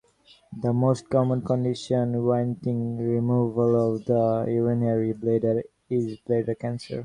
The most common condition warranting removal of the urinary bladder is bladder cancer.